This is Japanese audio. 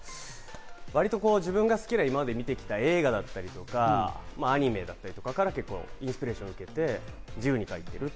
割と自分が好きな、今まで見てきた映画だったりアニメだったりとかから、インスピレーションを受けて自由に描いてます。